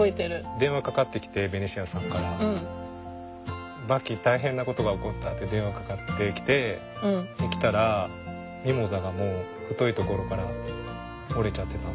電話かかってきてベニシアさんから「バッキー大変なことが起こった」って電話かかってきてで来たらミモザがもう太いところから折れちゃってたんですね。